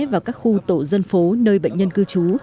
vào các khu tổ dân phố nơi bệnh nhân cư trú